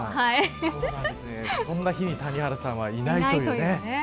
こんな日に谷原さんはいないという。